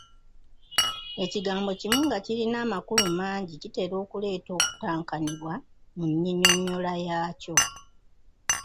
Ekigambo kimu nga kirina amakulu mangi kitera okuleeta okutankanibwa mu nnyinnyonnyola yaakyo.